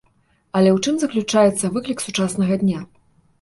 Але ў чым заключаецца выклік сучаснага дня?